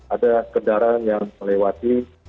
ada kendaraan yang melewati